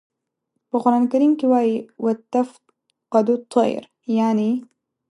په قرآن کریم کې وایي "و تفقد الطیر" یانې.